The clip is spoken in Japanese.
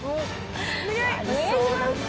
お願いします！